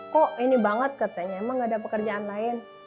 kok ini banget katanya emang gak ada pekerjaan lain